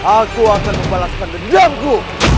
aku akan membalaskan gedangku